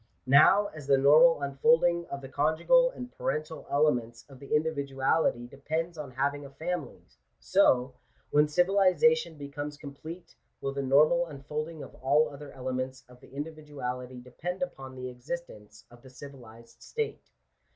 Now as the normal unfolding of the conjugal and parental elements of the individuality depends on having a family, so, when civilization becomes complete, will the normal unfolding of all other ele ments of the individuality depend upon the existence of the civilized state.